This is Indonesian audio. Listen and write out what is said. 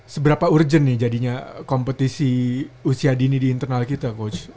seberapa urgent nih jadinya kompetisi usia dini di internal kita coach